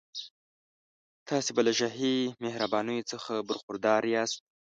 تاسي به له شاهي مهربانیو څخه برخوردار یاست.